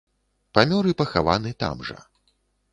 Памёр і пахаваны там жа.